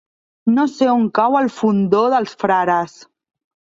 No sé on cau el Fondó dels Frares.